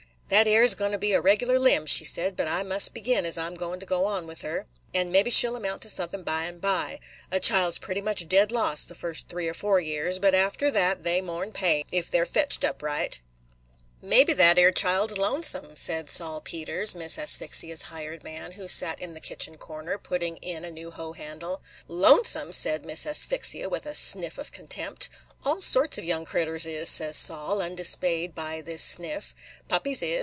"That 'ere 's goin' to be a regular limb," she said; "but I must begin as I 'm goin' to go on with her, and mebbe she 'll amount to suthin' by and by. A child 's pretty much dead loss the first three or four years; but after that they more 'n pay, if they 're fetched up right." "Mebbe that 'ere child 's lonesome," said Sol Peters, Miss Asphyxia's hired man, who sat in the kitchen corner, putting in a new hoe handle. "Lonesome!" said Miss Asphyxia, with a sniff of contempt. "All sorts of young critters is," said Sol, undismayed by this sniff "Puppies is.